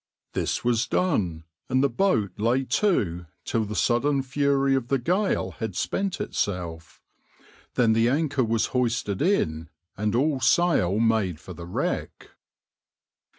This was done, and the boat lay to till the sudden fury of the gale had spent itself. Then the anchor was hoisted in and all sail made for the wreck.